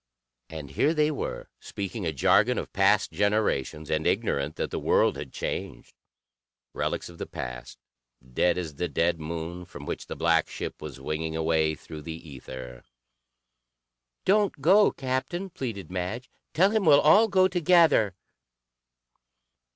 And here they were, speaking a jargon of past generations, and ignorant that the world had changed, relics of the past, dead as the dead Moon from which the black ship was winging away through the ether. "Don't go, Captain," pleaded Madge. "Tell him we'll all go together."